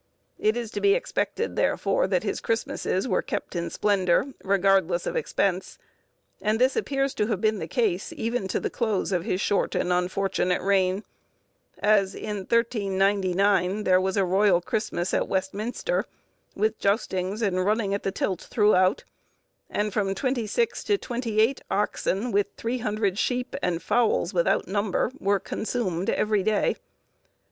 It is to be expected, therefore, that his Christmasses were kept in splendour, regardless of expense; and this appears to have been the case even to the close of his short and unfortunate reign; as, in 1399, there was a royal Christmas at Westminster, with justings and running at the tilt throughout, and from twenty six to twenty eight oxen, with three hundred sheep, and fowls without number, were consumed every day.